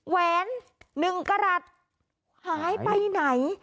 แหวนหนึ่งกระหลัดหายไปไหน